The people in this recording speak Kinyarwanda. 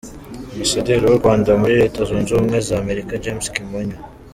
Ambasaderi w’u Rwanda muri Reta zunze ubumwe za Amerika James Kimonyo.